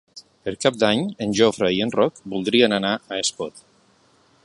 Per Cap d'Any en Jofre i en Roc voldrien anar a Espot.